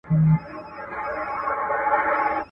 o که په کور کي امير دئ، په بهر کي فقير دئ.